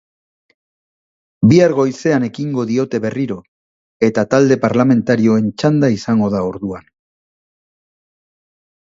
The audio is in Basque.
Bihar goizean ekingo diote berriro, eta talde parlamentarioen txanda izango da orduan.